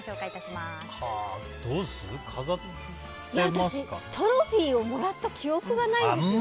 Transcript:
私、トロフィーをもらった記憶がないんですよね。